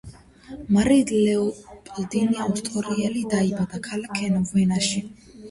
მარია ლეოპოლდინა ავსტრიელი დაიბადა ქალაქ ვენაში.